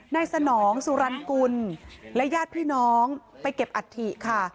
สนองสุรรณกุลและญาติพี่น้องไปเก็บอัฐิค่ะ